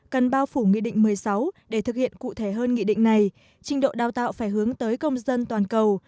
cần bao phủ nghị định một mươi sáu để thực hiện cụ thể hơn nghị định này trình độ đào tạo phải hướng tới công dân toàn cầu